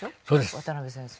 渡辺先生。